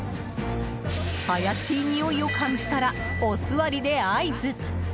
怪しいにおいを感じたらおすわりで合図。